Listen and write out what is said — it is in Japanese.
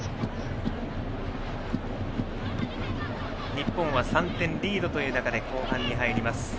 日本は３点リードという中で後半に入ります。